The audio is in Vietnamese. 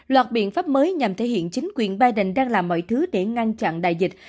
loạt biện pháp mới nhằm thể hiện chính quyền biden đang làm mọi thứ để ngăn chặn đại dịch